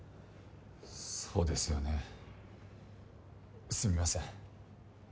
そうですよねすみません。